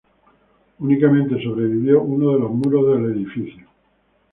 Únicamente sobrevivió uno de los muros del edificio.